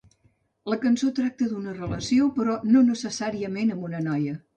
La cançó tracta d'una relació, però no necessàriament amb una noia.